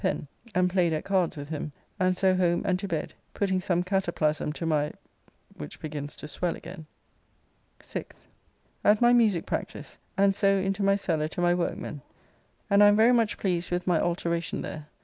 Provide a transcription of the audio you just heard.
Pen and played at cards with him, and so home and to bed, putting some cataplasm to my.... which begins to swell again. 6th. At my musique practice, and so into my cellar to my workmen, and I am very much pleased with my alteracon there.